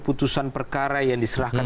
putusan perkara yang diserahkan